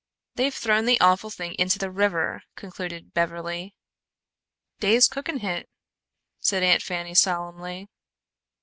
"They've thrown the awful thing into the river," concluded Beverly. "Dey's cookin' hit!" said Aunt Fanny solemnly.